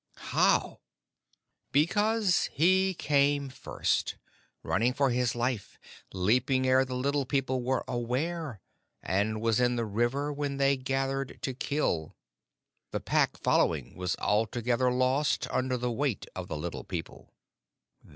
"How?" "Because he came first, running for his life, leaping ere the Little People were aware, and was in the river when they gathered to kill. The Pack, following, was altogether lost under the weight of the Little People."